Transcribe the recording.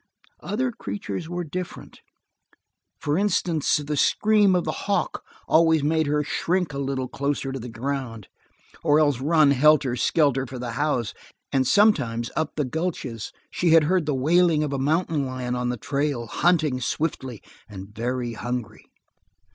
Other creatures were different. For instance, the scream of the hawk always made her shrink a little closer to the ground, or else run helter skelter for the house, and sometimes, up the gulches, she had heard the wailing of a mountain lion on the trail, hunting swiftly, and very hungry.